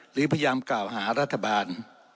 หรือพยายามกล่าวหารัฐบาล